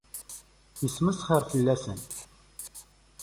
Yettmesxir fell-asen.